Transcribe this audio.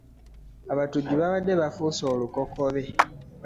Abatujju babadde bafuuse olukokobe.